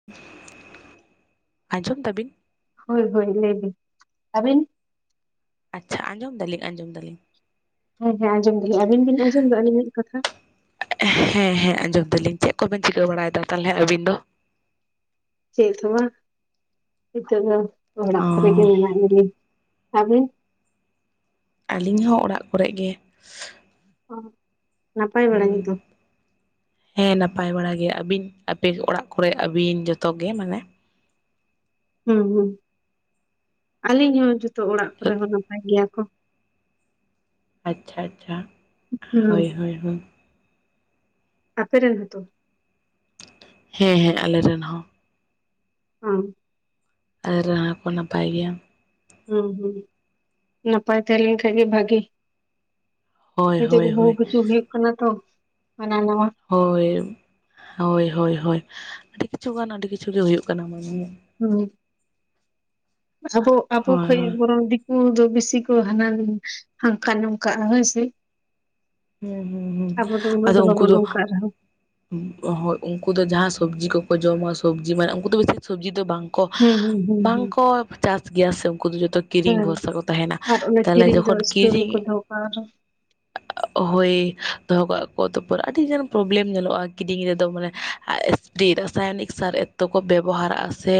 [inaudible] ᱟᱸᱡᱚᱢ ᱫᱟᱵᱤᱱ᱾ ᱦᱳᱭ ᱦᱳᱭ ᱞᱟᱹᱭ ᱵᱤᱱ, ᱟᱹᱵᱤᱱ? ᱟᱪᱪᱷᱟ! ᱟᱸᱡᱚᱢ ᱫᱟᱞᱤᱧ ᱟᱸᱡᱚᱢ ᱫᱟᱞᱤᱧ᱾ ᱦᱮᱸ ᱦᱮᱸ ᱟᱸᱡᱚᱢ ᱫᱟᱞᱤᱧ᱾ ᱟᱵᱤᱱ ᱵᱤᱱ ᱟᱸᱡᱚᱢ ᱫᱟ ᱟᱹᱞᱤᱧᱟᱜ ᱠᱟᱛᱷᱟ? ᱦᱮᱸ ᱦᱮᱸ ᱟᱸᱡᱚᱢ ᱫᱟᱞᱤᱧ ᱪᱮᱫ ᱠᱚᱵᱮᱱ ᱪᱤᱠᱟᱹ ᱵᱟᱲᱟᱭᱮᱫᱟ᱾ ᱛᱟᱦᱚᱞᱮ ᱟᱹᱵᱤᱱ ᱫᱚ? ᱪᱮᱫ ᱦᱚᱸ ᱵᱟᱝ ᱱᱤᱛᱚᱜ ᱫᱚ ᱚ ᱚᱲᱟᱜ ᱠᱚᱨᱮ ᱜᱮ ᱢᱮᱱᱟᱜ ᱞᱤᱧᱟ ᱟᱵᱤᱱ ᱟᱹᱞᱤᱧ ᱦᱚᱸ ᱚᱲᱟᱜ ᱠᱚᱨᱮ ᱜᱮ᱾ ᱚᱸ ᱦᱳᱭ ᱦᱮᱸ ᱱᱟᱯᱟᱭ ᱵᱟᱲᱟ ᱜᱮ᱾ ᱟᱹᱵᱤᱱ ᱟᱯᱮ ᱚᱲᱟᱜ ᱠᱚᱨᱮ ᱟᱹᱵᱤᱱ ᱡᱚᱛᱚ ᱜᱮ ᱢᱟᱱᱮ ᱦᱩᱸ ᱦᱩᱸ ᱟᱹᱞᱤᱧ ᱦᱚᱸ ᱡᱚᱛᱚ ᱚᱲᱟᱜ ᱠᱚᱨᱮ ᱦᱚᱸ ᱱᱟᱯᱟᱭ ᱜᱮᱭᱟ ᱠᱚ᱾ ᱟᱪᱪᱷᱟ ᱟᱪᱪᱷᱟ, ᱦᱩᱸ ᱦᱳᱭ ᱦᱳᱭ ᱦᱳᱭ ᱟᱯᱮᱨᱮᱱ ᱦᱚᱛᱚ ᱦᱮᱸ ᱦᱮᱸ ᱟᱞᱮᱨᱮᱱ ᱦᱚᱸ᱾ ᱦᱩᱸ ᱟᱨᱮ ᱨᱮᱱ ᱦᱚᱠᱚ ᱱᱟᱯᱟᱭ ᱜᱮᱭᱟ᱾ ᱦᱩᱸ ᱦᱩᱸ ᱱᱟᱯᱟᱭ ᱛᱟᱦᱮᱸ ᱞᱮᱱ ᱠᱷᱟᱡ ᱜᱮ ᱵᱷᱟᱹᱜᱤ ᱦᱳᱭ ᱱᱤᱛᱚᱜ ᱦᱳᱭ ᱵᱚᱦᱩ ᱦᱳᱭ ᱠᱤᱪᱷᱩ ᱦᱩᱭᱩᱜ ᱠᱟᱱᱟ ᱛᱚ, ᱦᱟᱱᱟ ᱱᱟᱣᱟ᱾ ᱦᱳᱭ ᱦᱳᱭ ᱦᱳᱭ ᱦᱳᱭ ᱟᱹᱰᱤ ᱠᱤᱪᱷᱩ ᱜᱟᱱ ᱟᱹᱰᱤ ᱠᱤᱪᱷᱩ ᱜᱮ ᱦᱩᱭᱩᱜ ᱠᱟᱱᱟ ᱢᱮ᱾ ᱦᱩᱸ ᱟᱵᱚ ᱟᱵᱚ ᱦᱳᱭ ᱠᱷᱚᱡ ᱦᱳᱭ ᱵᱚᱨᱚᱱ ᱫᱤ ᱠᱩ ᱫᱚ ᱵᱮᱥᱤ ᱠᱚ ᱦᱟᱱᱟ ᱦᱚᱱᱠᱟ ᱱᱚᱝᱠᱟ ᱦᱳᱭ ᱥᱮ ᱦᱩᱸ ᱦᱩᱸ ᱦᱩᱸ ᱟᱵᱚ ᱫᱚ ᱩᱱᱟᱹᱜ ᱟᱫᱚ ᱫᱚ ᱩᱱᱠᱩ ᱵᱟᱵᱚᱱ ᱚᱱᱠᱟᱱᱟ ᱩᱱᱠᱩ ᱫᱚ ᱡᱟᱦᱟᱸ ᱥᱚᱵᱽᱡᱤ ᱠᱚᱠᱚ ᱡᱚᱢᱟ᱾ ᱥᱚᱵᱽᱡᱤ ᱢᱟᱱᱮ ᱩᱱᱠᱩ ᱫᱚ ᱵᱮᱥᱤ ᱥᱚᱵᱽᱡᱤ ᱫᱚ ᱵᱟᱝ᱾ ᱠᱚ ᱦᱩᱸ ᱦᱩᱸ ᱦᱩᱸ ᱵᱟᱝ ᱦᱩᱸ ᱠᱚ ᱪᱟᱥ ᱜᱮᱭᱟ ᱥᱮ ᱩᱱᱠᱩ ᱫᱚ ᱡᱚᱛᱚ ᱠᱤᱨᱤᱧ ᱦᱮᱸ ᱵᱷᱚᱨᱥᱟ ᱠᱚ ᱛᱟᱦᱮᱱᱟ᱾ ᱟᱨ ᱚᱱᱟ ᱛᱟᱦᱞᱮ ᱠᱤᱨᱤᱧ ᱫᱚ ᱡᱚᱠᱷᱚᱱ ᱥᱴᱳᱨ ᱠᱤᱨᱤ [unintelligible] ᱦᱚᱭ ᱫᱚᱦᱚ ᱠᱟᱜ ᱠᱚᱣᱟ ᱛᱟᱨᱯᱚᱨ ᱟᱹᱰᱤᱜᱟᱱ ᱯᱨᱚᱵᱞᱮᱢ ᱧᱮᱞᱚᱜᱼᱟ ᱠᱤᱫᱤᱧ ᱨᱮᱫᱚ ᱢᱟᱱᱮ [unintelligible] ᱨᱟᱥᱟᱭᱚᱱᱤᱠ ᱥᱟᱨ ᱮᱛᱚ ᱠᱚ ᱵᱮᱵᱚᱦᱟᱨᱟᱜᱼᱟ ᱥᱮ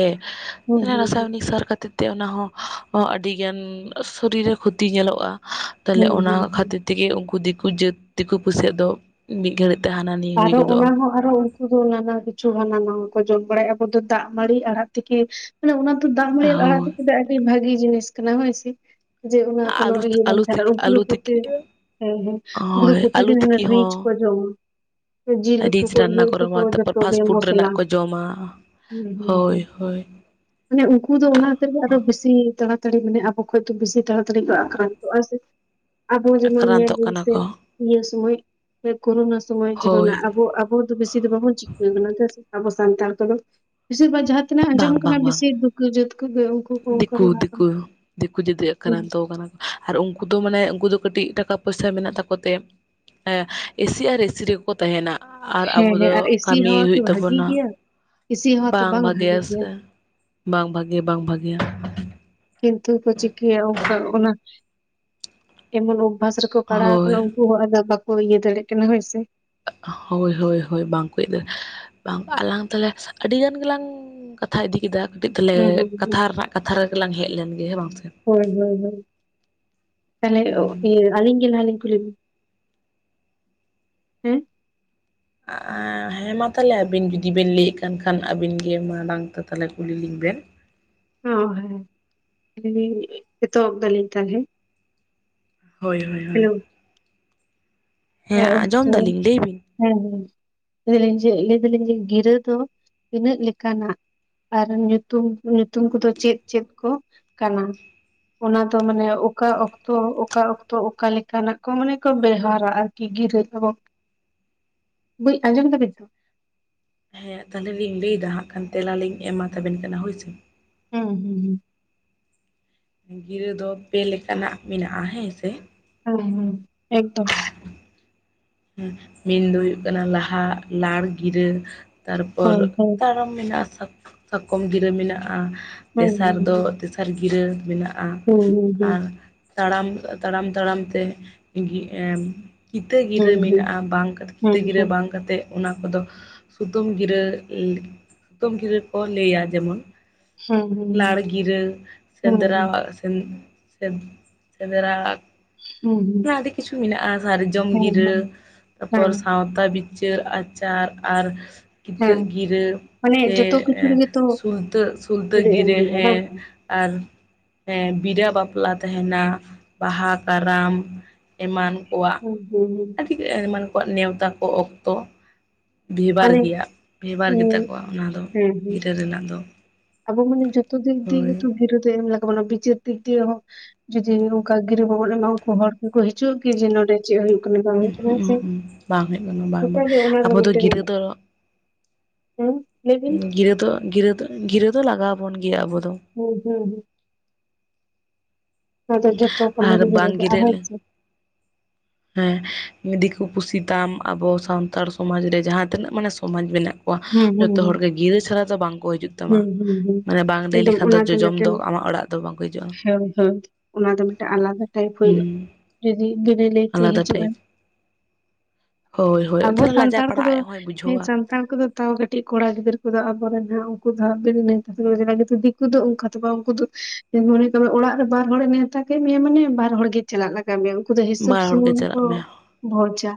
ᱦᱩᱸ ᱦᱩᱸ ᱨᱟᱥᱟᱭᱚᱱᱤᱠ ᱥᱟᱨ ᱠᱷᱟᱛᱤᱨ ᱛᱮ ᱚᱱᱟ ᱦᱚᱸ ᱟᱹᱰᱤᱜᱟᱱ ᱥᱚᱨᱤᱨ ᱨᱮ ᱠᱷᱩᱚᱛᱤ ᱧᱮᱞᱚᱜᱼᱟ᱾ ᱛᱟᱞᱦᱮ ᱦᱩᱸ ᱦᱩᱸ ᱚᱱᱟ ᱦᱩᱸ ᱦᱩᱸ ᱠᱷᱟᱹᱛᱤᱨ ᱛᱮᱜᱮ ᱩᱱᱠᱩ ᱫᱤᱠᱩ ᱡᱟᱹᱛ ᱫᱤᱠᱩ ᱯᱩᱥᱟᱹᱜ ᱫᱚ ᱢᱤᱫ ᱜᱷᱟᱹᱲᱤᱡ ᱛᱮ ᱦᱟᱱᱟ ᱱᱤᱭᱟᱹ ᱦᱩᱭ ᱟᱨᱚ ᱜᱚᱫᱚᱜᱼᱟ ᱚᱱᱟ ᱦᱚᱸ ᱟᱨᱚ ᱩᱱᱠᱩ ᱫᱚ ᱱᱟᱱᱟ ᱠᱤᱪᱷᱩ ᱦᱟᱱᱟ ᱱᱟᱣᱟ ᱠᱚ ᱡᱚᱢ ᱵᱟᱲᱟᱭᱟ ᱟᱵᱚ ᱫᱚ ᱫᱟᱜ ᱢᱟᱹᱲᱤ ᱟᱲᱟᱜ ᱛᱷᱮᱠᱮ ᱢᱟᱱᱮ ᱚᱱᱟ ᱫᱚ ᱫᱟᱜ ᱢᱟᱲᱤ ᱦᱳᱭ ᱟᱲᱟᱜ ᱛᱮᱠᱮ ᱟᱹᱰᱤ ᱵᱷᱟᱜᱤ ᱡᱤᱱᱤᱥ ᱠᱟᱱᱟ ᱦᱳᱭ ᱥᱮ ᱡᱮ ᱚᱱᱟ ᱠᱚᱱᱚ ᱟᱞᱩ ᱤᱭᱟᱹ ᱵᱟᱝ ᱟᱞᱩ ᱠᱟᱱᱟ ᱛᱤᱠᱤ ᱩᱱᱠᱩ ᱟᱞᱩ ᱱᱩᱠᱩ ᱛᱮ ᱛᱤᱠᱤ ᱦᱮᱸ ᱦᱮᱸ ᱩᱠᱩᱫᱚ ᱦᱳᱭ ᱟᱞᱩ ᱯᱨᱚᱛᱤᱫᱤᱱ ᱛᱤᱠᱤ ᱨᱤᱪ ᱠᱚ ᱦᱚᱸ ᱡᱚᱢᱟ ᱡᱤᱞ ᱩᱛᱩ ᱨᱤᱪ ᱤᱭᱟᱹ ᱨᱟᱱᱱᱟ ᱠᱚ ᱩᱛᱩ ᱨᱚᱢᱟ ᱛᱟᱨᱯᱚᱨ ᱡᱚᱛᱚ ᱯᱷᱟᱥᱴ ᱜᱮ ᱯᱷᱩᱰ ᱢᱚᱥᱞᱟ ᱨᱮᱱᱟᱜ ᱠᱚ ᱡᱚᱢᱟ ᱦᱩᱸ ᱦᱩᱸ ᱦᱩᱸ ᱦᱳᱭ ᱦᱳᱭ ᱢᱟᱱᱮ ᱩᱱᱠᱩ ᱫᱚ ᱚᱱᱟ ᱛᱮᱜᱮ ᱟᱨᱚ ᱵᱮᱥᱤ ᱛᱟᱲᱟᱛᱟᱲᱤ ᱢᱟᱱᱮ ᱟᱵᱚ ᱠᱷᱚᱡ ᱫᱚ ᱵᱮᱥᱤ ᱛᱟᱲᱟᱛᱟᱲᱤ ᱠᱚ ᱟᱠᱨᱟᱱᱛᱚᱜᱼᱟ ᱥᱮ ᱟᱵᱚ ᱡᱮᱢᱚᱱ ᱧᱮᱞ ᱟᱠᱨᱟᱱᱛᱚᱜ ᱵᱤᱱ ᱠᱟᱱᱟ ᱥᱮ ᱠᱚ ᱤᱭᱟᱹ ᱥᱚᱢᱚᱭ ᱠᱳᱨᱳᱱᱟ ᱥᱚᱢᱚᱭ ᱡᱮᱢᱚᱱ ᱦᱳᱭ ᱟᱵᱚ ᱟᱵᱚ ᱫᱚ ᱵᱮᱥᱤ ᱫᱚ ᱵᱟ ᱵᱚᱱ ᱪᱤᱠᱟ ᱠᱟᱱᱟ ᱡᱟᱥᱴᱤ ᱟᱵᱚ ᱥᱟᱱᱛᱟᱲ ᱠᱚᱫᱚ ᱵᱤᱥᱤᱨ ᱵᱷᱟᱜᱽ ᱡᱟᱦᱟ ᱛᱤᱱᱟᱜ ᱟᱸᱡᱚᱢ ᱵᱟᱝ ᱵᱟᱝ ᱵᱟᱝ ᱵᱤᱥᱤ ᱫᱩᱠᱟᱹ ᱡᱟᱹᱛ ᱠᱚᱫᱚ ᱫᱤᱠᱩ ᱫᱤᱠᱩ ᱫᱤᱠᱩ ᱡᱟᱹᱛᱤ ᱟᱠᱨᱟᱱᱛᱚ ᱠᱟᱱᱟ ᱟᱨ ᱩᱱᱠᱩ ᱫᱚ ᱢᱟᱱᱮ ᱩᱱᱠᱩ ᱫᱚ ᱠᱟᱹᱴᱤᱡ ᱴᱟᱠᱟ ᱯᱚᱭᱥᱟ ᱢᱮᱱᱟᱜ ᱛᱟᱠᱚ ᱛᱮ ᱮᱥᱤ ᱟᱨ ᱮᱥᱤ ᱨᱮᱜᱮ ᱠᱚ ᱛᱟᱦᱮᱸᱱᱟ ᱟᱨ ᱦᱮᱸ ᱟᱵᱚ ᱦᱮᱸ ᱫᱚ ᱟᱨ ᱮᱥᱤ ᱠᱟᱹᱢᱤ ᱦᱟᱣᱟ ᱠᱤ ᱦᱩᱭᱩᱜ ᱵᱷᱟᱜᱤ ᱛᱟᱵᱚᱱᱟ ᱜᱮᱭᱟ ᱮᱥᱤ ᱦᱟᱣᱟ ᱛᱚ ᱵᱟᱝ ᱵᱷᱟᱜᱤ ᱵᱷᱟᱜᱮᱭᱟ ᱜᱮᱭᱟ ᱥᱮ ᱵᱟᱝ ᱵᱷᱟᱜᱮ ᱵᱟᱝ ᱵᱷᱟᱜᱤᱭᱟ ᱠᱤᱱᱛᱩ ᱠᱚ ᱪᱤᱠᱟᱹᱭᱟ ᱚᱱᱠᱟ ᱚᱱᱟ ᱮᱢᱚᱱ ᱚᱵᱵᱷᱟᱥ ᱨᱮᱠᱚ ᱯᱟᱲᱟᱣ ᱦᱳᱭ ᱟᱠᱟᱱᱟ ᱠᱚ ᱟᱫᱚ ᱵᱟᱠᱚ ᱤᱭᱟᱹ ᱫᱟᱲᱮᱭᱟᱜ ᱠᱟᱱᱟ ᱦᱳᱭ ᱥᱮ ᱦᱳᱭ ᱦᱳᱭ ᱦᱳᱭ ᱵᱟᱝᱠᱚ ᱦᱮᱡ ᱫᱟᱲᱮᱭᱟᱜᱼᱟ ᱵᱟᱝ ᱟᱞᱟᱝ ᱛᱟᱦᱚᱞᱮ ᱟᱹᱰᱤ ᱜᱟᱱ ᱜᱮᱞᱟᱝ ᱠᱟᱛᱷᱟ ᱤᱫᱤ ᱠᱮᱫᱟ ᱠᱟᱹᱴᱤᱡ ᱛᱟᱦᱚᱞᱮ ᱦᱩᱸ ᱦᱩᱸ ᱦᱩᱸ ᱠᱟᱛᱷᱟ ᱨᱮᱱᱟᱜ ᱠᱟᱛᱷᱟ ᱨᱮᱜᱮᱞᱟᱝ ᱦᱮᱡ ᱞᱮᱱ ᱜᱮ ᱦᱮᱸ ᱵᱟᱝ ᱥᱮ ᱦᱳᱭ ᱦᱳᱭ ᱦᱳᱭ ᱛᱟᱦᱚᱞᱮ ᱟᱹᱞᱤᱧ ᱜᱮ ᱱᱟᱞᱤᱧ ᱠᱩᱞᱤ ᱵᱤᱱᱟ ᱦᱮᱸ ᱦᱮᱸ ᱢᱟ ᱛᱟᱦᱚᱞᱮ ᱟᱹᱵᱤᱱ ᱡᱩᱫᱤ ᱵᱮᱱ ᱞᱟᱹᱭᱮᱫ ᱠᱟᱱ ᱠᱷᱟᱱ ᱟᱹᱵᱤᱱ ᱜᱮ ᱢᱟᱲᱟᱝ ᱛᱮ ᱛᱟᱦᱚᱞᱮ ᱠᱩᱞᱤ ᱞᱤᱧ ᱵᱮᱱ ᱚ ᱦᱮᱸ ᱮᱛᱚᱦᱚᱵ ᱫᱟᱞᱤᱧ ᱛᱟᱦᱚᱞᱮ ᱦᱳᱭ ᱦᱳᱭ ᱦᱮᱞᱳ ᱦᱳᱭ ᱦᱮᱸ ᱟᱸᱡᱚᱢ ᱟᱪᱪᱷᱟ ᱫᱟᱞᱤᱧ ᱞᱟᱹᱭ ᱵᱤᱱ ᱦᱮᱸ ᱦᱮᱸ ᱦᱮᱸ ᱦᱮᱸ ᱞᱟᱹᱭ ᱡᱮ ᱞᱟᱹᱭ ᱫᱟᱞᱤᱧ ᱡᱮ ᱜᱤᱨᱟᱹ ᱫᱚ ᱛᱤᱱᱟᱹᱜ ᱞᱮᱠᱟᱱᱟ? ᱟᱨ ᱧᱩᱛᱩᱢ ᱧᱩᱛᱩᱢ ᱠᱚᱫᱚ ᱪᱮᱫ ᱪᱮᱫ ᱠᱚ ᱠᱟᱱᱟ? ᱚᱱᱟ ᱫᱚ ᱢᱟᱱᱮ ᱚᱠᱟ ᱚᱠᱛᱚ ᱚᱠᱟ ᱚᱠᱛᱚ ᱚᱠᱟᱮ ᱞᱮᱠᱟᱱᱟᱜ ᱠᱚ ᱢᱟᱱᱮ ᱠᱚ ᱵᱮᱣᱦᱟᱨᱟᱼᱟ ᱟᱨᱠᱤ ᱜᱤᱨᱟᱹ ᱫᱚ ᱫᱤ ᱟᱸᱡᱚᱢ ᱮᱫᱟ ᱵᱤᱱ? ᱦᱮᱸ ᱛᱟᱦᱚᱞᱮ ᱞᱤᱧ ᱞᱟᱹᱭ ᱮᱫᱟ ᱦᱟᱸᱜ ᱠᱷᱟᱱ ᱛᱮᱞᱟ ᱞᱤᱧ ᱮᱢᱟᱛᱟ ᱵᱤᱱ ᱠᱟᱱᱟ ᱦᱳᱭ ᱥᱮ᱾ ᱦᱩᱸ ᱦᱩᱸ ᱦᱩᱸ ᱜᱤᱨᱟᱹ ᱫᱚ ᱯᱮ ᱞᱮᱠᱟᱱᱟᱜ ᱢᱮᱱᱟᱜᱼᱟ ᱦᱮᱸ ᱥᱮ᱾ ᱦᱮᱸ ᱦᱮᱸ ᱮᱠᱫᱚᱢ [unintelligible] ᱢᱮᱱ ᱫᱚ ᱦᱩᱭᱩᱜ ᱠᱟᱱᱟ ᱞᱟᱦᱟ ᱞᱟᱲ ᱜᱤᱨᱟᱹ᱾ ᱛᱟᱨ ᱯᱚᱨ ᱦᱳᱭ ᱦᱳᱭ ᱛᱟᱨᱚᱢ ᱢᱮᱱᱟᱜᱼᱟ ᱥᱟᱠᱚᱢ ᱜᱤᱨᱟᱹ ᱢᱮᱱᱟᱜᱼᱟ ᱦᱩᱸ ᱛᱮᱥᱟᱨ ᱦᱩᱸ ᱫᱚ ᱟᱨ ᱜᱤᱨᱟᱹ ᱢᱮᱱᱟᱜᱼᱟ ᱦᱩᱸ ᱦᱩᱸ ᱦᱩᱸ ᱟᱨ ᱛᱟᱲᱟᱢ ᱛᱟᱲᱟᱢ ᱛᱟᱲᱟᱢ ᱛᱮ ᱠᱤᱛᱟᱹ ᱜᱤᱨᱟᱹ ᱦᱩᱸ ᱦᱩᱸ ᱦᱩᱸ ᱢᱮᱱᱟᱜᱼᱟ ᱵᱟᱝ [inaudible] ᱦᱩᱸ ᱜᱤᱨᱟᱹ ᱦᱩᱸ ᱵᱟᱝ ᱠᱟᱛᱮᱫ ᱚᱱᱟ ᱠᱚᱫᱚ ᱥᱩᱛᱟᱹᱢ ᱜᱤᱨᱟᱹ ᱥᱩᱛᱟᱹᱢ ᱜᱤᱨᱟᱹ ᱠᱚ ᱞᱟᱹᱭᱟ ᱡᱮᱢᱚᱱ ᱞᱟᱲ ᱜᱤᱨᱟᱹ ᱦᱩᱸ ᱦᱩᱸ ᱥᱮᱸᱫᱽᱨᱟ ᱥᱮ ᱥᱮᱸᱫᱽᱨᱟ ᱦᱩᱸ ᱟᱹᱰᱤ ᱠᱤᱪᱷᱩ ᱢᱮᱱᱟᱜᱼᱟ ᱥᱟᱨᱡᱚᱢ ᱜᱤᱨᱟᱹ ᱦᱮᱸ ᱛᱟᱨᱯᱚᱨ ᱦᱮᱸ ᱥᱟᱶᱛᱟ ᱵᱤᱪᱟᱹᱨ ᱟᱪᱟᱨ ᱟᱨ ᱠᱤᱛᱟᱹ ᱦᱮᱸ ᱜᱤᱨᱟᱹ ᱢᱟᱱᱮ ᱥᱮ ᱡᱚᱛᱚ ᱠᱤᱪᱷᱩ ᱨᱮᱜᱮ ᱛᱚ ᱥᱩᱞᱛᱟᱹ ᱥᱩᱞᱛᱟᱹ ᱮᱢ ᱜᱤᱨᱟᱹ ᱦᱩᱭᱩᱜᱼᱟ ᱵᱟᱝ ᱦᱮᱸ ᱥᱮ? ᱟᱨ ᱦᱮᱸ ᱵᱤᱨᱟ ᱵᱟᱯᱞᱟ ᱛᱟᱦᱮᱱᱟ ᱵᱟᱦᱟ, ᱠᱟᱨᱟᱢ ᱮᱢᱟᱱ ᱠᱚᱣᱟᱜ᱾ [unintelligible] ᱟᱹᱰᱤ ᱮᱢᱟᱱ ᱠᱚᱣᱟᱜ ᱱᱮᱣᱛᱟ ᱠᱚ ᱚᱠᱛᱚ᱾ ᱵᱷᱮᱵᱟᱨ ᱢᱟᱱᱮ ᱜᱮᱭᱟ, ᱵᱷᱮᱵᱟᱨ ᱜᱮᱛᱟ ᱤᱧ ᱠᱚᱣᱟ ᱚᱱᱟ ᱫᱚ ᱦᱮᱸ ᱦᱮᱸ ᱜᱤᱨᱟᱹ ᱨᱮᱱᱟᱜ ᱫᱚ᱾ ᱟᱵᱚ ᱢᱟᱱᱮ ᱡᱚᱛᱚ ᱫᱤᱠ ᱫᱤᱭᱮ ᱦᱳᱭ ᱜᱮᱛᱚ ᱜᱤᱨᱟᱹ ᱫᱚ ᱮᱢ ᱞᱟᱜᱟᱣ ᱵᱚᱱᱟ ᱵᱤᱪᱟᱹᱨ ᱫᱤᱠ ᱫᱤᱭᱮ ᱦᱚᱸ ᱡᱩᱫᱤ ᱚᱝᱠᱟ ᱜᱤᱨᱟᱹ ᱵᱟᱵᱚᱱ ᱮᱢᱟᱣᱟᱠᱚᱣᱟ ᱦᱚᱲ ᱠᱚᱠᱚ ᱦᱤᱡᱩᱜ-ᱟ? ᱠᱤ, ᱡᱮ ᱱᱚᱰᱮ ᱪᱮᱫ ᱦᱩᱭᱩᱜ ᱠᱟᱱᱟ, ᱵᱟᱝ ᱦᱩᱭᱩᱜ ᱠᱟᱱᱟ ᱦᱮᱸ ᱩᱸᱦᱩᱸᱜ ᱥᱮ, ᱩᱸᱦᱩᱸᱜ ᱵᱟᱝ ᱦᱩᱭᱩᱜ ᱠᱟᱱᱟ ᱵᱟᱝ ᱵᱟᱝ ᱱᱮᱛᱟᱨ ᱫᱚ ᱚᱱᱟ ᱨᱮ ᱟᱵᱚ ᱫᱚ ᱢᱮᱴᱮᱱ ᱜᱤᱨᱟᱹ ᱫᱚ ᱦᱩᱸ ᱜᱤᱨᱟᱹ ᱫᱚ, ᱜᱤᱨᱟᱹ ᱫᱚ, ᱜᱤᱨᱟᱹ ᱫᱚ ᱞᱟᱜᱟᱣ ᱵᱚᱱ ᱜᱮᱭᱟ ᱟᱵᱚ ᱫᱚ᱾ ᱦᱩᱸ ᱦᱩᱸ᱾ ᱦᱮᱸᱛᱚ, ᱡᱚᱛᱚ ᱠᱟᱹᱢᱤ ᱟᱨ ᱨᱮᱜᱮ ᱵᱟᱝ ᱞᱟᱜᱟᱜ-ᱟ ᱦᱮᱸ ᱜᱤᱨᱟᱹᱜ ᱥᱮ᱾ ᱦᱮᱸ ᱫᱤᱠᱩ ᱠᱩᱥᱤ ᱛᱟᱢ ᱟᱵᱚ ᱥᱟᱱᱛᱟᱲ ᱥᱚᱢᱟᱡᱽ ᱨᱮ ᱡᱟᱦᱟᱸ ᱛᱤᱱᱟᱹᱜ ᱢᱟᱱᱮ ᱥᱚᱢᱟᱡᱽ ᱢᱮᱱᱟᱜ ᱠᱚᱣᱟ, ᱦᱩᱸ ᱦᱩᱸ ᱡᱚᱛᱚ ᱦᱚᱲ ᱦᱩᱸ ᱜᱮ ᱜᱤᱨᱟᱹ ᱪᱷᱟᱲᱟ ᱫᱚ ᱵᱟᱝᱠᱚ ᱦᱤᱡᱩᱜ ᱛᱟᱢᱟ, ᱦᱩᱸ ᱦᱩᱸ ᱦᱩᱸ ᱢᱟᱱᱮ ᱵᱟᱝ ᱞᱟᱹᱭ ᱮᱠᱫᱚᱢ ᱞᱮᱠᱷᱟᱱ ᱫᱚ ᱚᱱᱟ ᱡᱚᱡᱚᱢ ᱫᱚ ᱢᱤᱫᱴᱮᱱ ᱟᱢᱟᱜ ᱚᱲᱟᱜ ᱫᱚ ᱵᱟᱝᱠᱚ ᱦᱤᱡᱩᱜᱼᱟ᱾ ᱦᱳᱭ ᱦᱳᱭ᱾ ᱚᱱᱟ ᱫᱚ ᱢᱤᱫᱴᱟᱜ ᱟᱞᱟᱫᱟ ᱴᱟᱭᱤᱯ ᱦᱩᱭᱩᱜᱼᱟ, ᱦᱩᱸ ᱡᱩᱫᱤ ᱵᱤᱱᱟᱹ ᱞᱟᱹᱭᱛᱮ ᱟᱞᱟᱫᱟ ᱴᱟᱭᱤᱯ ᱦᱤᱡᱩᱜᱼᱟᱭ᱾ ᱦᱳᱭ ᱦᱳᱭ ᱟᱵᱚ ᱛᱟᱦᱞᱮ ᱞᱟᱡᱟᱣ ᱥᱟᱱᱛᱟᱲ ᱯᱟᱲᱟᱜ ᱠᱚᱫᱚ ᱟᱡ ᱦᱚᱸᱭ ᱦᱮᱸ ᱵᱩᱡᱷᱟᱹᱣᱟ ᱥᱟᱱᱛᱟᱲ ᱠᱚᱫᱚ ᱛᱟᱣ ᱠᱟᱹᱴᱤᱡ ᱠᱚᱲᱟ ᱜᱤᱫᱽᱟᱹ ᱠᱚᱫᱚ ᱟᱵᱚᱨᱮᱱ ᱦᱟᱸᱜ ᱩᱝᱠᱩ ᱫᱚ [unintelligible] ᱫᱤᱠᱩ ᱫᱚ ᱚᱝᱠᱟ ᱫᱚ ᱵᱟᱝ ᱩᱱᱝᱠᱩ ᱫᱚ ᱢᱚᱱᱮ ᱠᱟᱜ-ᱢᱮ ᱚᱲᱟᱜ ᱨᱮ ᱵᱟᱨ ᱦᱚᱲᱮ ᱱᱮᱣᱛᱟ ᱠᱮᱜ ᱢᱮᱭᱟ ᱢᱟᱱᱮ ᱵᱟᱨ ᱦᱚᱲ ᱜᱮ ᱪᱟᱞᱟᱜ ᱞᱟᱜᱟᱣ ᱢᱮᱭᱟ ᱩᱱᱠᱩ ᱫᱚ ᱦᱤᱥᱟᱹᱵ ᱵᱟᱨ ᱦᱚᱲ ᱜᱮ ᱥᱩᱢᱩᱝ ᱠᱚ ᱪᱟᱞᱟᱜ ᱢᱮ ᱵᱷᱚᱡᱟ᱾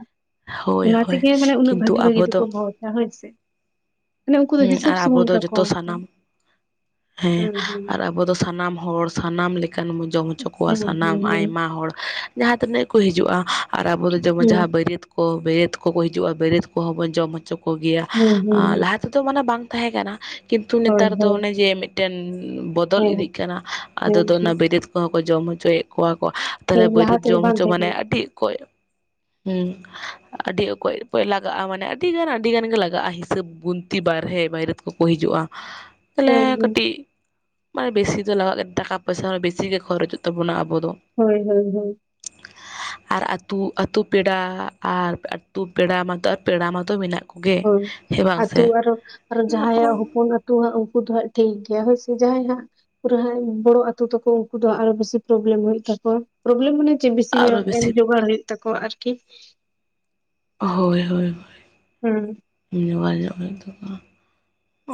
ᱦᱳᱭ ᱚᱱᱟ ᱦᱳᱭ ᱛᱮᱜᱮ ᱢᱟᱱᱮ ᱩᱱᱟᱹᱜ ᱠᱤᱱᱛᱩ ᱵᱷᱟᱹᱜᱤ ᱵᱷᱟᱹᱜᱤ ᱟᱵᱚ ᱫᱚ ᱫᱚᱠᱚ ᱵᱷᱚᱡᱟ ᱦᱳᱭ ᱥᱮ᱾ ᱢᱟᱱᱮ ᱩᱱᱠᱩ ᱫᱚ ᱦᱩᱸ ᱦᱤᱥᱟᱹᱵ ᱟᱨ ᱟᱵᱚ ᱥᱩᱢᱩᱝ ᱫᱚ ᱠᱟᱠᱚᱣᱟ ᱡᱚᱛᱚ ᱥᱟᱱᱟᱢ ᱦᱮᱸ ᱦᱩᱸ ᱦᱩᱸ ᱟᱨ ᱟ ᱟᱵᱚ ᱫᱚ ᱥᱟᱱᱟᱢ ᱦᱚᱲ ᱥᱟᱱᱟᱢ ᱞᱮᱠᱟᱱ ᱵᱚᱱ ᱡᱚᱢ ᱦᱚᱪᱚ ᱠᱚᱣᱟ ᱦᱩᱸ ᱥᱟᱱᱟᱢ ᱦᱩᱸ ᱟᱭᱢᱟ ᱦᱚᱲ᱾ ᱡᱟᱦᱟᱸ ᱛᱤᱱᱟᱹᱜ ᱜᱮ ᱠᱚ ᱦᱤᱡᱩᱜᱼᱟ, ᱟᱨ ᱟᱵᱚ ᱡᱮᱢᱚᱱ ᱡᱟᱦᱟᱸ ᱦᱩᱸ ᱵᱟᱹᱨᱭᱟᱹᱛ ᱠᱚ ᱵᱟᱹᱨᱭᱟᱹᱛ ᱠᱚᱠᱚ ᱦᱤᱡᱩᱜᱼᱟ ᱵᱟᱹᱨᱭᱟᱹᱛ ᱠᱚᱦᱚᱸ ᱵᱚᱱ ᱡᱚᱢ ᱦᱚᱪᱚ ᱠᱚᱜᱮᱭᱟ ᱦᱩᱸ ᱟᱻ ᱦᱩᱸ ᱞᱟᱦᱟ ᱛᱮᱫᱚ ᱢᱟᱱᱮ ᱵᱟᱝ ᱛᱟᱦᱮᱸ ᱠᱟᱱᱟ ᱠᱤᱱᱛᱩ ᱦᱳᱭ ᱱᱮᱛᱟᱨ ᱫᱚ ᱦᱳᱭ ᱚᱱᱮ ᱡᱮ ᱢᱤᱫᱴᱮᱱ ᱵᱚᱛ ᱵᱚᱫᱚᱞ ᱤᱫᱤᱜ ᱠᱟᱱᱟ ᱟᱫᱚ ᱦᱮᱸ ᱫᱚ ᱚᱱᱟ ᱦᱮᱸ ᱵᱟᱹᱨᱭᱟᱹᱛ ᱠᱚᱦᱚᱸ ᱠᱚ ᱡᱚᱢ ᱦᱚᱪᱚᱭᱮᱫ ᱠᱚᱣᱟ ᱠᱚ᱾ ᱛᱟᱦᱞᱮ ᱦᱮᱸ ᱞᱟᱦᱟ ᱵᱟᱹᱨᱭᱟᱹᱛ ᱛᱮᱫᱚ ᱡᱚᱢ ᱵᱟᱝ ᱦᱚᱪᱚ ᱛᱟᱦᱮᱸ ᱢᱟᱱᱮ ᱟᱹᱰᱤ ᱠᱟᱱᱟ ᱚᱠᱚᱡ ᱦᱩᱸ ᱟᱹᱰᱤ ᱚᱠᱚᱡ ᱚᱠᱚᱡ ᱞᱟᱜᱟᱜᱼᱟ ᱢᱟᱱᱮ ᱟᱹᱰᱤ ᱜᱟᱱ ᱟᱹᱰᱤ ᱜᱟᱱ ᱜᱮ ᱞᱟᱜᱟᱜᱼᱟ ᱦᱤᱥᱟᱹᱵ ᱜᱩᱱ ᱛᱤ ᱵᱟᱨᱦᱮ ᱵᱟᱹᱭᱨᱟᱹᱛ ᱠᱚᱠᱚ ᱦᱤᱡᱩᱜᱼᱟ ᱛᱟᱦᱞᱮ ᱦᱮᱸ ᱦᱮᱸ ᱠᱟᱹᱴᱤᱡ ᱢᱟᱱᱮ ᱵᱮᱥᱤ ᱫᱚ ᱞᱟᱜᱟᱜ ᱜᱮ ᱴᱟᱠᱟ ᱯᱚᱭᱥᱟ ᱦᱚᱸ ᱵᱮᱥᱤᱜ ᱜᱮ ᱠᱷᱚᱨᱚᱪᱚᱜ ᱛᱟᱵᱚᱱᱟ ᱟᱵᱚᱫ ᱫᱚ, ᱦᱳᱭ ᱦᱳᱭ, ᱦᱳᱭ᱾ ᱟᱨ ᱟᱹᱛᱩ ᱟᱹᱛᱩ ᱯᱮᱲᱟ ᱟᱨ ᱟᱹᱛᱩ ᱯᱮᱲᱟ ᱢᱟᱛᱚ ᱟᱨ ᱯᱮᱲᱟ ᱢᱟᱛᱚ ᱢᱮᱱᱟᱜ ᱠᱚᱜᱮ ᱦᱳᱭ ᱦᱮᱸ ᱵᱟᱝ ᱥᱮ ᱟᱹᱛᱩ ᱟᱨᱚ ᱟᱨᱚ ᱡᱟᱦᱟᱸᱭᱟᱜ ᱦᱚᱯᱚᱱ ᱟ ᱛᱚ ᱩᱝᱠᱩ ᱫᱚ ᱦᱟᱸᱜ ᱩᱱᱠᱩ ᱫᱚ ᱦᱟᱸᱜ ᱴᱷᱤᱠ ᱜᱮᱭᱟ ᱦᱳᱭ ᱥᱮ ᱡᱟᱦᱟᱸᱭ ᱦᱟᱸᱜ ᱯᱩᱨᱟᱹ ᱦᱟᱸᱜ ᱵᱚᱲᱚ ᱟᱛᱳ ᱛᱟᱠᱚ ᱩᱜᱴᱝᱠᱩ ᱫᱚ ᱟᱨᱚ ᱵᱤᱥᱤ ᱯᱨᱚᱵᱞᱮᱢ ᱦᱩᱭᱩᱜ ᱛᱟᱠᱚ ᱯᱨᱳᱵᱞᱮᱢ ᱢᱟᱱᱮ ᱪᱮᱫ ᱵᱤᱥᱤ ᱟᱨᱚ ᱧᱚᱜ ᱮᱢ ᱵᱮᱥᱤ ᱡᱚᱜᱟᱲ ᱦᱩᱭᱩᱜ ᱛᱟᱠᱚᱣᱟ ᱟᱨᱠᱤ᱾ ᱦᱳᱭ ᱦᱳᱭ ᱦᱳᱭ᱾ ᱦᱩᱸ᱾ ᱡᱵᱟᱭ ᱧᱚᱜ ᱦᱩᱭᱩᱜ ᱛᱟᱠᱚᱣᱟ,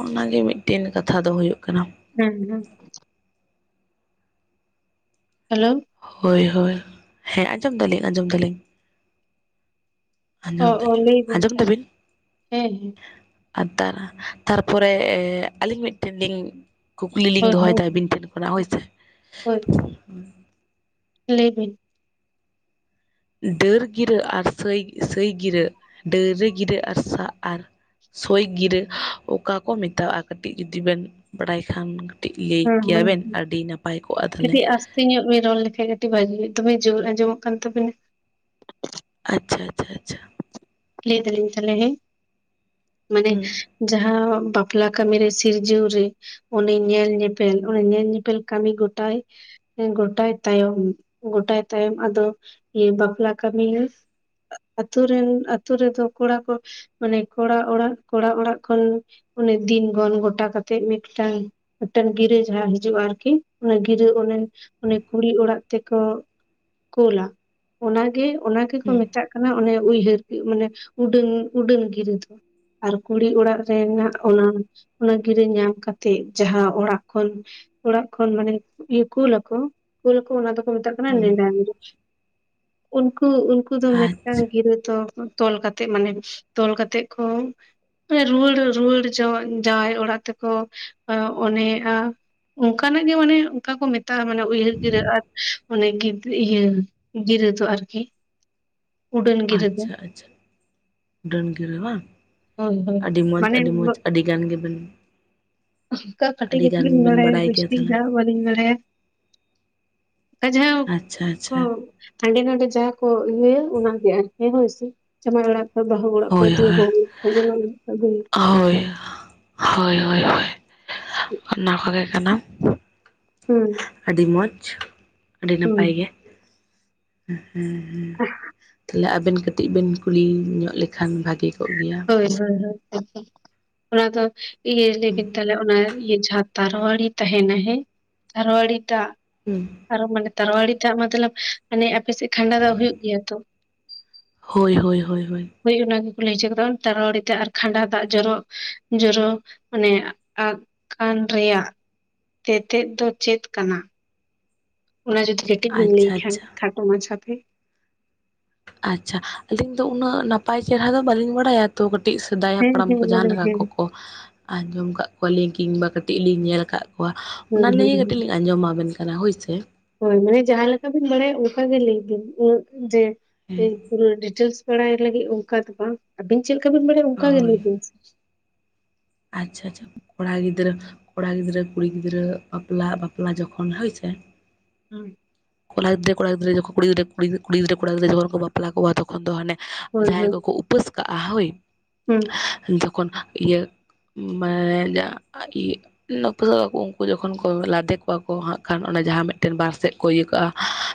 ᱚᱱᱟ ᱜᱮ ᱢᱤᱫᱴᱤᱱ ᱠᱟᱛᱷᱟ ᱫᱚ ᱦᱩᱭᱩᱜ ᱠᱟᱱᱟ᱾ ᱦᱩᱸ ᱦᱩᱸ᱾ ᱦᱮᱞᱳ᱾ ᱦᱳᱭ ᱦᱳᱭ, ᱦᱮᱸ ᱟᱸᱡᱚᱢ ᱫᱟᱞᱤᱧ ᱟᱸᱡᱚᱢ ᱫᱟᱞᱤᱧ᱾ ᱚ ᱟᱸᱡᱚᱢ ᱚ ᱫᱟᱹᱞᱤᱧ, ᱞᱟᱹᱭ ᱵᱤᱱ ᱟᱸᱡᱚᱢ ᱛᱟᱦᱚᱞᱮ ᱫᱟᱹᱵᱤᱱ? ᱦᱮᱸ ᱦᱮᱸ ᱟᱨ ᱛᱟᱨ ᱛᱟᱨᱯᱚᱨᱮ ᱟᱹᱞᱤᱧ ᱢᱤᱫᱴᱮᱱ ᱞᱤᱧ ᱠᱩᱠᱞᱤ ᱞᱤᱧ ᱦᱳᱭ ᱫᱚᱦᱚᱭᱫᱟ ᱦᱳᱭ ᱟᱹᱵᱤᱱ ᱴᱷᱮᱱ ᱠᱷᱚᱱᱟᱜ ᱦᱳᱭ ᱥᱮ᱾ ᱦᱳᱭ᱾ ᱦᱩᱸ᱾ ᱞᱮᱭ ᱵᱤᱱ? ᱰᱟᱹᱨ ᱜᱤᱨᱟᱹ ᱟᱨ ᱥᱟᱹᱭ-ᱥᱟᱹᱭ ᱜᱤᱨᱟᱹᱜ ᱰᱟᱹᱨ ᱨᱮ ᱜᱤᱨᱟᱹ ᱟᱨ ᱥᱟ ᱟᱨ ᱥᱳᱭ ᱜᱤᱨᱟᱹ, ᱚᱠᱟ ᱠᱚ ᱢᱮᱛᱟᱣᱟᱜᱼᱟ ᱠᱟᱹᱴᱤᱡ ᱡᱩᱫᱤ ᱵᱮᱱ ᱵᱟᱲᱟᱭ ᱠᱷᱟᱱ? ᱴᱤᱡ ᱞᱟᱹᱭ ᱦᱮᱸ ᱠᱮᱭᱟᱵᱮᱱ ᱟᱹᱰᱤ ᱱᱟᱯᱟᱭ ᱠᱚᱜᱼᱟ, ᱛᱟᱦᱚᱞᱮ᱾ ᱥᱮᱧᱚᱜ ᱵᱮᱱ ᱨᱚᱲ ᱞᱮᱠᱷᱟᱡ ᱠᱟᱹᱴᱤᱡ ᱵᱷᱟᱹᱜᱤ ᱦᱩᱭᱩᱜᱼᱟ᱾ ᱫᱚᱢᱮ ᱡᱳᱨ ᱟᱸᱡᱚᱢᱚᱜ ᱠᱟᱱ ᱛᱟᱵᱤᱱᱟ᱾ ᱟᱪᱪᱷᱟ ᱟᱪᱪᱷᱟ ᱟᱪᱪᱷᱟ᱾ ᱞᱟᱹᱭ ᱫᱟᱹᱞᱤᱧ ᱛᱟᱦᱚᱞᱮ ᱦᱮᱸ, ᱢᱟᱱᱮ ᱦᱩᱸ ᱡᱟᱦᱟᱸ ᱵᱟᱯᱞᱟ ᱯᱞᱟ ᱠᱟᱹᱢᱤ ᱨᱮ ᱥᱤᱨᱡᱟᱹᱣ ᱨᱮ ᱚᱱᱮ ᱧᱮᱞ- ᱧᱮᱯᱮᱞ ᱚᱱᱮ ᱧᱮᱞ ᱧᱮᱯᱮᱞ ᱠᱟᱹᱢᱤ ᱜᱚᱴᱟᱭ ᱜᱳᱴᱟᱭ ᱛᱟᱭᱚᱢ ᱜᱳᱴᱟᱭ ᱛᱟᱭᱚᱢ ᱟᱫᱚ ᱤᱭᱟᱹ ᱵᱟᱯᱞᱟ ᱠᱟᱹᱢᱤ ᱦᱟᱸᱜ ᱟᱹᱛᱩ ᱨᱮᱱ ᱟᱹᱛᱩ ᱨᱮ ᱫᱚ ᱠᱚᱲᱟ ᱠᱚ ᱢᱟᱱᱮ ᱠᱚᱲᱟ ᱚᱲᱟᱜ ᱠᱚᱲᱟ ᱚᱲᱟᱜ ᱠᱷᱚᱱ ᱚᱱᱮ ᱫᱤᱱ ᱜᱚᱱ ᱜᱚᱴᱟ ᱠᱟᱛᱮᱜ ᱢᱤᱫᱴᱟᱝ ᱢᱤᱫᱴᱮᱱ ᱜᱤᱨᱟᱹ ᱡᱟᱦᱟᱸ ᱦᱤᱡᱩᱜᱼᱟ ᱟᱹᱨᱠᱤ᱾ ᱚᱱᱟ ᱜᱤᱨᱟᱹ ᱚᱱᱮ ᱚᱱᱮ ᱠᱩᱲᱤ ᱚᱲᱟᱜ ᱛᱮᱠᱚ ᱠᱳᱞᱟ, ᱚᱱᱟ ᱜᱮ ᱚᱱᱟ ᱜᱮᱠᱚ ᱦᱩᱸ ᱢᱮᱛᱟᱜ ᱠᱟᱱᱟ, ᱚᱱᱮ ᱩᱭᱦᱟᱹᱨ ᱜᱤ ᱢᱟᱱᱮ ᱩᱰᱟᱹᱱ ᱩᱰᱟᱹᱱ ᱜᱤᱨᱟᱹ ᱫᱚ᱾ ᱟᱨ ᱠᱩᱲᱤ ᱚᱲᱟᱜ ᱨᱮᱱᱟᱜ ᱚᱱᱟ ᱚᱱᱟ ᱜᱤᱨᱟᱹ ᱧᱟᱢ ᱠᱟᱛᱮᱜ ᱡᱟᱦᱟᱸ ᱚᱲᱟᱜ ᱠᱷᱚᱱ ᱚᱲᱟᱜ ᱠᱷᱚᱱ ᱢᱟᱱᱮ ᱤᱭᱟᱹ ᱠᱩᱞᱟ ᱠᱚ ᱠᱩᱞᱟ ᱠᱚ, ᱚᱱᱟ ᱫᱚᱠᱚ ᱢᱮᱛᱟᱜ ᱠᱟᱱᱟ ᱦᱩᱸ ᱱᱮᱸᱰᱟ ᱜᱤᱨᱟᱹ᱾ ᱩᱱᱠᱩ ᱩᱱᱠᱩ ᱫᱚ ᱢᱤᱫᱴᱟᱝ ᱟᱪᱪᱷᱟ ᱜᱤᱨᱟᱹ ᱫᱚ ᱛᱚᱞ ᱠᱟᱛᱮ ᱢᱟᱱᱮ ᱛᱚᱞ ᱠᱟᱛᱮᱜ ᱠᱚ ᱯᱮ ᱨᱩᱣᱟᱹᱲ ᱨᱩᱣᱟᱹᱲ ᱡᱟᱶᱟᱭ ᱡᱟᱶᱟᱭ ᱚᱲᱟᱜ ᱛᱮᱠᱚ᱾ ᱚᱱᱮᱜᱼᱟ ᱚᱱᱠᱟ ᱱᱟᱜ ᱜᱮ ᱢᱟᱱᱮ ᱚᱱᱠᱟ ᱠᱚ ᱢᱮᱛᱟᱜᱼᱟ, ᱢᱟᱱᱮ ᱩᱭᱦᱟᱹᱨ ᱜᱤᱨᱟᱹ ᱟᱨ ᱟᱱᱮ ᱜᱤᱫᱽ ᱤᱭᱟᱹ ᱜᱤᱨᱟᱹ ᱫᱚ ᱟᱹᱨᱠᱤ᱾ ᱟᱪᱪᱷᱟ ᱟᱪᱪᱷᱟ᱾ ᱰᱟᱹᱱ ᱜᱤᱨᱟᱹ ᱵᱟᱝ᱾ ᱦᱳᱭ ᱦᱳᱭ᱾ ᱟᱹᱰᱤ ᱢᱚᱡᱽ ᱢᱟᱱᱮ ᱟᱹᱰᱤ ᱢᱚᱡᱽ ᱟᱹᱰᱤ ᱜᱟᱱ ᱜᱮᱵᱮᱱ ᱟᱱᱠᱟ ᱠᱟᱹᱴᱤᱡ ᱟᱹᱰᱤ ᱠᱟᱹᱴᱤᱡ ᱜᱟᱱ ᱞᱤᱧ ᱵᱮᱱ ᱵᱟᱲᱟᱭᱟ ᱵᱟᱲᱟᱭ ᱵᱮᱥ ᱜᱮᱭᱟ ᱴᱷᱤᱠ ᱫᱚ ᱛᱟᱦᱚᱞᱮ ᱦᱟᱸᱜ ᱵᱟᱹᱞᱤᱧ ᱵᱟᱲᱟᱭᱟ᱾ ᱡᱟᱦᱟᱸ ᱟᱪᱪᱷᱟ ᱠᱚ ᱟᱪᱪᱷᱟ ᱦᱟᱸᱰᱮ ᱱᱟᱰᱮ ᱡᱟᱦᱟ ᱠᱚ ᱤᱭᱟᱹ ᱭᱟ, ᱚᱱᱟ ᱜᱮ ᱟᱹᱨᱠᱤ ᱦᱳᱭ ᱥᱮ, ᱡᱟᱢᱟᱭ ᱚᱲᱟᱜ ᱵᱟᱦᱩ ᱚᱲᱟᱜ ᱠᱚ ᱦᱳᱭ ᱦᱳᱭ ᱫᱤᱫᱤᱭᱟ [unintelligible] [inaudible] ᱦᱳᱭ ᱦᱳᱭ ᱦᱳᱭ ᱦᱳᱭ, ᱚᱱᱟ ᱠᱚ ᱜᱮ ᱠᱟᱱᱟ᱾ ᱦᱮᱸ᱾ ᱟᱹᱰᱤ ᱢᱚᱡᱽ, ᱟᱹᱰᱤ ᱱᱟᱯᱟᱭ ᱜᱮ᱾ ᱦᱮᱸ ᱦᱮᱸ, ᱛᱟᱦᱚᱞᱮ ᱟᱵᱮᱱ ᱠᱟᱹᱴᱤᱡ ᱵᱮᱱ ᱠᱩᱞᱤ ᱧᱚᱜ ᱞᱮᱠᱷᱟᱱ ᱵᱷᱟᱹᱜᱮ ᱠᱚᱜ ᱜᱮᱭᱟ᱾ ᱦᱳᱭ ᱦᱮᱸᱦᱮᱸ ᱚᱱᱟ ᱫᱚ ᱤᱭᱟᱹ ᱞᱮᱭ ᱦᱩᱸ ᱵᱤᱱ ᱛᱟᱦᱚᱞᱮ ᱚᱱᱮ ᱤᱭᱟᱹ ᱡᱟᱦᱟᱸ ᱛᱟᱨᱣᱟᱲᱤ ᱛᱟᱦᱮᱱᱟ ᱦᱮᱸ ᱛᱟᱨᱣᱟᱹᱲᱤ ᱫᱟᱜ ᱦᱩᱸ ᱟᱨᱦᱚᱸ ᱢᱟᱱᱮ ᱛᱟᱨᱚᱣᱟᱹᱲᱤ ᱫᱟᱜ, ᱢᱚᱛᱞᱚᱵ ᱢᱟᱱᱮ ᱟᱯᱮ ᱥᱮᱫ ᱠᱷᱟᱸᱰᱟ ᱫᱟᱜ ᱦᱩᱭᱩᱜ ᱜᱮᱭᱟ ᱛᱚ᱾ ᱦᱳᱭ ᱦᱳᱭ ᱦᱳᱭ, ᱦᱩᱭ ᱚᱱᱟ ᱜᱮᱠᱚ, ᱞᱟᱹᱭ ᱦᱚᱪᱚ ᱟᱠᱟᱫᱟ ᱛᱟᱨᱚᱣᱟᱹᱲᱤ ᱫᱟᱜ ᱟᱨ ᱠᱷᱟᱸᱰᱟ ᱫᱟᱜ ᱡᱚᱨᱚ ᱡᱚᱨᱚ᱾ ᱢᱟᱱᱮ ᱟ ᱟᱠ ᱨᱮᱭᱟᱜ ᱛᱮᱛᱮᱫ ᱫᱚ ᱪᱮᱫ ᱠᱟᱱᱟ? ᱚᱱᱟ ᱡᱚᱫᱤ ᱠᱟᱹᱴᱤᱡ ᱵᱮᱱ ᱞᱟᱹᱭ ᱟᱪᱪᱷᱟ ᱠᱷᱟᱱ ᱟᱪᱪᱷᱟ ᱠᱷᱟᱴᱚ ᱢᱟᱪᱷᱟ ᱛᱮ? ᱟᱪᱪᱷᱟ, ᱟᱹᱞᱤᱧ ᱫᱚ ᱩᱱᱟᱹᱜ ᱱᱟᱯᱟᱭ ᱪᱮᱨᱦᱟ ᱫᱚ ᱵᱟᱹᱞᱤᱧ ᱵᱟᱲᱟᱭᱟ, ᱛᱚ ᱠᱟᱹᱴᱤᱡ ᱥᱮᱫᱟᱭ ᱦᱮᱸ ᱦᱟᱯᱲᱟᱢ ᱦᱮᱸ ᱠᱚ ᱡᱟᱦᱟᱸ ᱢᱟᱱᱮ ᱞᱮᱠᱟ ᱦᱮᱸ ᱠᱚᱠᱚ ᱟᱸᱡᱚᱢ ᱟᱠᱟᱫ ᱠᱚᱣᱟ ᱞᱤᱧ ᱠᱤᱝ ᱵᱟ ᱠᱟᱹᱴᱤᱡ ᱞᱤᱧ ᱧᱮᱞ ᱟᱠᱟᱫ ᱠᱚᱣᱟ, ᱦᱩᱸ ᱚᱱᱟ ᱦᱩᱸ ᱞᱟᱹᱜᱤᱫ ᱠᱟᱹᱴᱤᱡ ᱞᱤᱧ ᱟᱸᱡᱚᱢ ᱟᱵᱮᱱ ᱠᱟᱱᱟ ᱦᱳᱣ ᱥᱮ? ᱦᱳᱭ, ᱢᱟᱱᱮ ᱡᱟᱦᱟᱸ ᱞᱮᱠᱟ ᱵᱮᱱ ᱵᱟᱲᱟᱭᱟ, ᱚᱱᱠᱟ ᱜᱮ ᱞᱟᱹᱭ ᱵᱮᱱ ᱩᱱᱟᱹᱜ ᱡᱮ- ᱦᱮᱸ ᱯᱩᱨᱟᱹ ᱰᱤᱴᱮᱞᱥ ᱵᱟᱲᱟᱭ ᱞᱟᱹᱜᱤᱫ, ᱚᱱᱠᱟ ᱫᱚ ᱵᱟᱝ, ᱟᱹᱵᱤᱱ ᱪᱮᱫ ᱞᱮᱠᱟ ᱵᱮᱱ ᱵᱟᱲᱟᱭᱟ ᱚᱱᱠᱟ ᱜᱮ ᱦᱳᱭ ᱞᱟᱹᱭ ᱵᱮᱱ ᱥᱮ? ᱟᱪᱪᱷᱟ ᱟᱪᱪᱷᱟ ᱾ ᱠᱚᱲᱟ ᱜᱤᱫᱽᱨᱟᱹ ᱠᱩᱲᱤ ᱜᱤᱫᱽᱨᱟᱹ ᱵᱟᱯᱞᱟ ᱡᱚᱠᱷᱚᱱ ᱦᱳᱣ ᱥᱮ, ᱦᱮᱸ ᱠᱚᱲᱟ ᱜᱤᱫᱽᱨᱟᱹ ᱡᱚᱠᱷᱚᱱ ᱠᱩᱲᱤ ᱜᱤᱫᱽᱨᱟᱹ ᱵᱟᱯᱞᱟ ᱡᱚᱠᱷᱚᱱ ᱠᱚ ᱵᱟᱯᱞᱟ ᱠᱚᱜᱼᱟ, ᱛᱚᱠᱷᱚᱱ ᱫᱚ ᱦᱟᱱᱮ ᱦᱳᱭ ᱡᱟᱦᱟᱸᱭ ᱦᱩᱸ ᱠᱚᱠᱚ ᱩᱯᱟᱹᱥ ᱠᱟᱜᱼᱟ, ᱦᱳᱭ᱾ ᱦᱩᱸ ᱾ ᱡᱚᱠᱷᱚᱱ ᱤᱭᱟᱹ [unintelligible] [unintelligible] ᱩᱱᱠᱩ ᱡᱚᱠᱷᱚᱱ ᱠᱚ ᱞᱟᱫᱮ ᱠᱚᱣᱟ ᱠᱚ ᱦᱟᱸᱜ ᱠᱷᱟᱱ, ᱚᱱᱟ ᱡᱟᱦᱟᱸ ᱢᱤᱫᱴᱮᱱ ᱵᱟᱨ ᱥᱮᱫ ᱠᱚ ᱤᱭᱟᱹ ᱠᱟᱜᱼᱟ,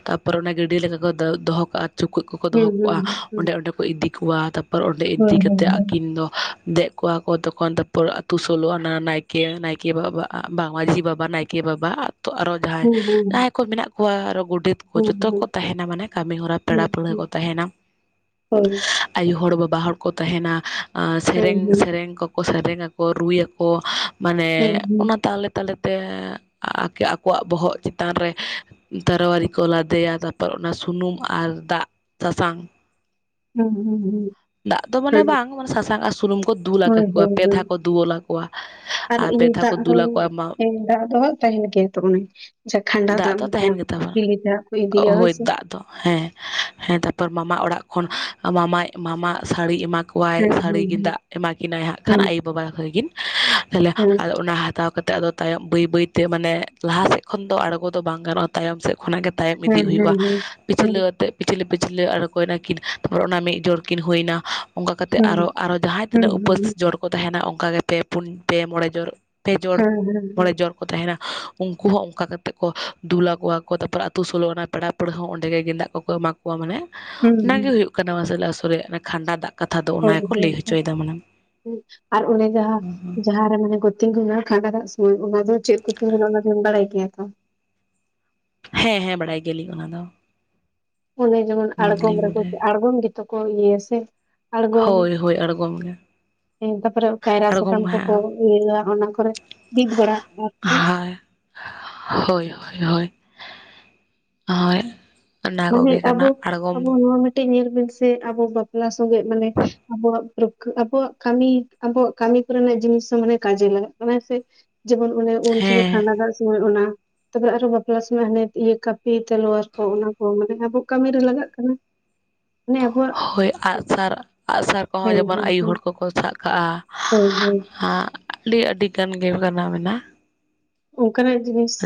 ᱛᱟᱨᱯᱚᱨ ᱚᱱᱟ ᱜᱟᱹᱰᱣᱟᱹ ᱞᱮᱠᱟ ᱠᱚ ᱫᱚᱦᱚ ᱠᱟᱜᱼᱟ, ᱪᱩᱠᱟᱹᱫ ᱠᱚᱠᱚ ᱦᱩᱸ ᱫᱚᱦᱚ ᱦᱩᱸ ᱠᱟᱜᱼᱟ ᱚᱸᱰᱮ ᱚᱸᱰᱮ ᱠᱚ ᱤᱫᱤ ᱠᱚᱣᱟ, ᱛᱟᱨᱯᱚᱨ ᱚᱸᱰᱮ ᱦᱳᱭ ᱤᱫᱤ ᱦᱳᱭ ᱠᱟᱛᱮᱫ ᱟᱹᱠᱤᱱ ᱫᱚ ᱫᱮᱡ ᱠᱚᱣᱟ ᱠᱚ ᱛᱚᱠᱷᱚᱱ, ᱛᱟᱨᱯᱚᱨ ᱟᱛᱩ ᱥᱳᱞᱳ ᱟᱱᱟ ᱱᱟᱭᱠᱮ ᱱᱟᱭᱠᱮ ᱵᱟᱵᱟ ᱵᱟᱝ ᱢᱟᱹᱡᱷᱤ ᱵᱟᱵᱟ, ᱱᱟᱭ ᱠᱮ ᱵᱟᱵᱟ ᱛᱚ ᱟᱨᱚ ᱦᱳᱭ ᱦᱩᱸ ᱦᱩᱸ ᱡᱟᱦᱟᱸᱭ ᱠᱚ ᱢᱮᱱᱟᱜ ᱠᱚᱣᱟ ᱟᱨᱦᱚᱸ ᱜᱚᱰᱮᱛ ᱦᱩᱸ ᱡᱚᱛᱚ ᱠᱚ ᱛᱟᱦᱮᱱᱟ, ᱢᱟᱱᱮ ᱠᱟᱹᱢᱤ ᱦᱚᱨᱟ ᱦᱩᱸ ᱯᱮᱲᱟ ᱯᱟᱹᱲᱦᱟᱹ ᱦᱩᱸ ᱠᱚ ᱛᱟᱦᱮᱸᱱᱟ ᱦᱳᱭ ᱾ ᱟᱭᱳ ᱦᱚᱲ, ᱵᱟᱵᱟ ᱦᱚᱲ, ᱠᱚ ᱛᱟᱦᱮᱸᱱᱟ ᱦᱩᱸ ᱥᱮᱨᱮᱧ ᱦᱩᱸ ᱥᱮᱨᱮᱧ ᱠᱚ ᱥᱮᱨᱮᱧ ᱟᱠᱚ ᱨᱩᱭ ᱟᱠᱚ ᱢᱟᱱᱮ ᱦᱩᱸ ᱦᱩᱸ ᱚᱱᱟ ᱛᱟᱦᱞᱮ ᱛᱟᱞᱟ ᱛᱮ ᱟᱠᱮ ᱟᱠᱚᱣᱟᱜ ᱵᱚᱦᱚᱜ ᱪᱮᱛᱟᱱ ᱨᱮ ᱛᱟᱨᱚᱣᱟᱹᱲᱤ ᱠᱚ ᱞᱟᱫᱮᱭᱟ, ᱛᱟᱨᱯᱚᱨ ᱚᱱᱟ ᱥᱩᱱᱩᱢ ᱟᱨ ᱫᱟᱜ ᱥᱟᱥᱟᱝ᱾ ᱦᱩᱸ ᱦᱩᱸ ᱦᱩᱸ [unintelligible] ᱫᱟᱜ ᱫᱚ ᱢᱟᱱᱮ ᱦᱩᱸ ᱵᱟᱝ ᱢᱟᱱᱮ ᱥᱟᱥᱟᱝ ᱟᱨ ᱥᱩᱱᱩᱢ ᱠᱚ ᱫᱩᱞ ᱟᱠᱟ ᱦᱳᱭ ᱠᱚᱣᱟ ᱦᱳᱭ ᱯᱮ ᱦᱳᱭ ᱫᱷᱟᱣ ᱠᱚ ᱫᱩᱞᱟ ᱟᱠᱚᱣᱟ ᱟᱨ ᱯᱮ ᱤᱧ ᱫᱷᱟᱣ ᱠᱚ ᱫᱟᱜ ᱫᱚ ᱫᱩᱞ ᱟᱠᱚᱣᱟ [unintelligible] ᱡᱮ ᱠᱷᱟᱱᱰᱟ ᱫᱟᱜ ᱢᱟᱛᱞᱟᱵ ᱴᱷᱤᱞᱤ ᱛᱮ ᱦᱟᱸᱜ ᱠᱚ ᱤᱫᱤᱭᱟ ᱦᱳᱭ ᱥᱮ ᱾ ᱟᱫᱚ ᱦᱮᱸ ᱾ ᱦᱮᱸ ᱛᱟᱨᱯᱚᱨ ᱢᱟᱢᱟ ᱚᱲᱟᱜ ᱠᱷᱚᱱ ᱢᱟᱢᱟᱭ ᱢᱟᱢᱟ ᱥᱟᱹᱲᱤ ᱮᱢᱟ ᱠᱚᱣᱟᱭ ᱦᱮᱸ ᱥᱟᱹᱲᱤ ᱦᱮᱸ ᱜᱮᱸᱫᱟᱜ ᱮᱢᱟ ᱠᱤᱱᱟᱭ ᱦᱟᱸᱜ ᱠᱷᱟᱱ ᱦᱮᱸ ᱟᱭᱳᱼᱵᱟᱵᱟ ᱛᱟᱠᱤᱱ, ᱛᱟᱦᱚᱞᱮ ᱦᱮᱸ ᱟᱫᱚ ᱚᱱᱟ ᱦᱟᱛᱟᱣ ᱠᱟᱛᱮᱫ ᱟᱫᱚ ᱛᱟᱭᱚᱢ ᱵᱟᱹᱭ ᱵᱟᱹᱭ ᱛᱮ ᱢᱟᱱᱮ ᱞᱟᱦᱟ ‌ᱥᱮᱫ ᱠᱷᱚᱱ ᱫᱚ ᱟᱸᱬᱜᱚ ᱫᱚ ᱵᱟᱝ ᱜᱟᱱᱚᱜᱼᱟ ᱛᱟᱭᱚᱢ ᱥᱮᱫ ᱠᱷᱚᱱ ᱜᱮ ᱛᱟᱭᱚᱢ ᱦᱮᱸ ᱤᱫᱤᱜ ᱦᱮᱸ ᱦᱩᱭᱩᱜᱼᱟ, ᱦᱮᱸ ᱦᱮᱸ ᱯᱤᱪᱷᱞᱟᱹ ᱟᱛᱮᱫ ᱯᱤᱪᱷᱞᱟᱹ ᱯᱤᱪᱷᱞᱟᱹ ᱟᱬᱜᱚᱭ ᱱᱟᱹᱠᱤᱱ, ᱛᱟᱨᱯᱚᱨ ᱚᱱᱟ ᱢᱤᱫ ᱡᱚᱰ ᱠᱤᱱ ᱦᱩᱭ ᱱᱟ ᱾ ᱚᱱᱠᱟ ᱠᱟᱛᱮᱫ ᱦᱮᱸ ᱟᱨᱦᱚᱸ ᱟᱨᱦᱚᱸ ᱡᱟᱦᱟᱸᱭ ᱦᱮᱸ ᱛᱤᱱᱟᱹᱜ ᱦᱮᱸ ᱩᱯᱟᱹᱥ ᱡᱚᱲ ᱠᱚ ᱛᱟᱦᱮᱸᱱᱟ ᱚᱱᱠᱟ ᱜᱮ ᱯᱮ, ᱯᱩᱱ, ᱢᱚᱬᱮ, ᱡᱚᱲ ᱯᱮ ᱡᱚᱲ ᱢᱚᱲᱮ ᱦᱮᱸ ᱡᱚᱲ ᱠᱚ ᱛᱟᱦᱮᱸᱱᱟ ᱩᱱᱠᱩ ᱦᱚᱸ ᱚᱱᱠᱟ ᱠᱟ ᱛᱮᱜ ᱠᱚ ᱫᱩᱞ ᱟᱠᱚᱣᱟ ᱠᱚ ᱛᱟᱨᱯᱚᱨᱮ ᱟᱛᱳ ᱥᱳᱞᱳ ᱟᱱᱟ ᱯᱮᱲᱟ ᱯᱟᱹᱲᱦᱟᱹ ᱦᱚᱸ ᱚᱸᱰᱮᱜ ᱜᱮᱸᱫᱟ ᱠᱚᱠᱚ ᱮᱢᱟ ᱠᱚᱣᱟ, ᱢᱟᱱᱮ ᱦᱮᱸ ᱚᱱᱟᱜ ᱜᱮ ᱦᱮᱸ ᱦᱩᱭᱩᱜ ᱠᱟᱱᱟ ᱢᱟᱥᱮᱞᱮ ᱟᱥᱚᱞ ᱠᱷᱟᱸᱱᱰᱟ ᱫᱟᱜ ᱾ ᱦᱳᱣ ᱦᱳᱣ ᱦᱳᱭ, ᱟᱨ ᱚᱱᱮ ᱡᱟᱦᱟᱸ ᱨᱮ ᱢᱟᱱᱮ ᱠᱚ ᱛᱤᱸᱜᱩᱱᱟ ᱠᱷᱟᱸᱰᱟ ᱫᱟᱜ ᱥᱚᱢᱚᱭ ᱚᱱᱟ ᱫᱚ ᱪᱮᱫ ᱠᱚ ᱛᱤᱸᱜᱩᱱᱟ ᱚᱱᱟ ᱫᱚᱢ ᱵᱟᱲᱟᱭ ᱜᱮᱭᱟ ᱛᱚ? ᱦᱮᱸ ᱦᱮᱸ, ᱵᱟᱲᱟᱭ ᱜᱮᱭᱟᱞᱤᱧ ᱚᱱᱟ ᱫᱚ᱾ ᱚᱱᱮ ᱡᱮᱢᱚᱱ ᱚᱱᱟ ᱟᱬᱜᱚᱢ ᱫᱚᱞᱤᱧ ᱨᱮᱠᱚ, ᱵᱟᱰᱟᱭᱟ ᱟᱬᱜᱚᱢ ᱜᱮᱛᱚ ᱠᱚ ᱤᱭᱟᱹᱭᱟ ᱥᱮ? ᱦᱳᱣ‌‌ ᱦᱳᱣ, ᱟᱬᱜᱚᱢ ᱾ ᱛᱟᱨᱯᱚᱨᱮ ᱠᱟᱭᱨᱟ ᱥᱟᱠᱟᱢ ᱠᱚᱠᱚ ᱦᱮᱸ ᱤᱭᱟᱹᱭᱟ ᱚᱱᱟ ᱠᱚᱨᱮ ᱾ ᱵᱤᱫ ᱵᱟᱲᱟ ᱟᱨᱠᱤ ᱦᱳᱣ ᱦᱳᱣ ᱦᱳᱭ, ᱦᱳᱭ ᱚᱱᱟ ᱢᱟᱱᱮ ᱠᱚᱜᱮ ᱟᱵᱚ ᱠᱟᱱᱟ ᱟᱬᱜᱚᱢ ᱟᱵᱚ ᱱᱚᱣᱟ ᱢᱤᱫᱴᱮᱡ ᱧᱮᱞ ᱵᱤᱱ ᱥᱮ ᱟᱵᱚ ᱵᱟᱯᱞᱟ ᱥᱚᱸᱜᱮᱜ ᱢᱟᱱᱮ ᱟᱵᱚᱣᱟᱜ [unintelligible] ᱟᱵᱚᱣᱟᱜ ᱠᱟᱹᱢᱤ ᱟᱵᱚᱣᱟᱜ ᱠᱟᱹᱢᱤ ᱠᱚᱨᱮᱱᱟᱜ ᱡᱤᱱᱤᱥ ᱦᱚᱸ ᱢᱟᱱᱮ ᱠᱟᱡᱮ ᱞᱟᱜᱟᱜ ᱠᱟᱱᱟ ᱦᱮᱸᱥᱮ ᱾ ᱡᱮᱢᱚᱱ ᱚᱱᱮ ᱩᱱ ᱥᱚᱢᱢᱚᱭ ᱠᱷᱟᱜ ᱦᱮᱸ ᱥᱩᱢᱚᱭ ᱚᱱᱟ, ᱛᱟᱯᱚᱨᱮ ᱟᱨᱚ ᱵᱟᱯᱞᱟ ᱥᱳᱢᱚᱭ ᱦᱟᱱᱮ ᱤᱭᱟᱹ ᱠᱟᱯ ᱯᱤ ᱛᱟᱞᱣᱟᱨ ᱠᱚ ᱚᱱᱟ ᱠᱚ ᱢᱟᱱᱮ ᱟᱵᱚ ᱠᱟᱹᱢᱤ ᱨᱮ ᱞᱟᱜᱟᱜ ᱠᱟᱱᱟ ᱾ ᱦᱳᱭ ᱟᱜᱼᱥᱟᱨ, ᱟᱜᱼᱥᱟᱨ ᱠᱚᱦᱚᱸ ᱦᱮᱸ ᱡᱮᱢᱚᱱ ᱦᱮᱸ ᱟᱭᱳ ᱦᱮᱸ ᱦᱚᱲ ᱠᱚᱠᱚ ᱥᱟᱵ ᱠᱟᱜᱼᱟ ᱦᱳᱭ ᱦᱳᱭ ᱾ ᱟᱸ ᱟᱹᱰᱤ ᱟᱹᱰᱤ ᱜᱟᱱ ᱜᱮ ᱚᱱᱠᱟᱱᱟᱜ ᱢᱮᱱᱟᱜᱼᱟ ᱾ ᱚᱱᱠᱟᱱᱟᱜ ᱡᱤᱱᱤᱥ